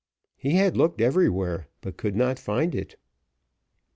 He had looked everywhere, but could not find it.